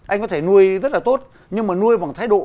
anh có thể nuôi rất là tốt nhưng mà nuôi bằng thái độ